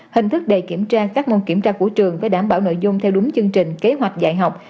hình thức đề kiểm tra các môn kiểm tra của trường phải đảm bảo nội dung theo đúng chương trình kế hoạch dạy học